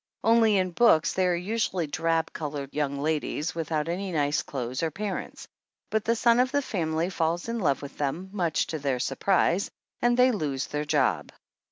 Only in books they are usually drab colored young ladies without any nice clothes or parents, but the son of the family falls in love with them, much to their surprise, and they lose their job.